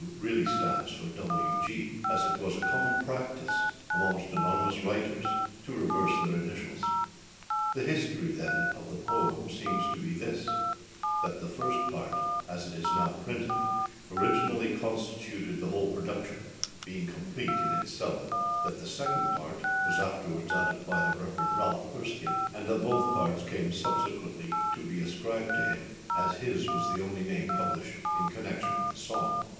really stands for W. G., as it was a common practice amongst anonymous writers to reverse their initials. The history, then, of the poem, seems to be this: that the First Part, as it is now printed, originally constituted the whole production, being complete in itself; that the Second Part was afterwards added by the Rev. Ralph Erskine; and that both parts came subsequently to be ascribed to him, as his was the only name published in connexion with the song.